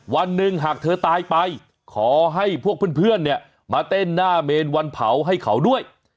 วันหนึ่งหากเธอตายไปขอให้พวกเพื่อนเนี่ยมาเต้นหน้าเมนวันเผาให้เขาด้วย